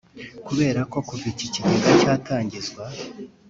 kubera ko kuva iki kigega cyatangizwa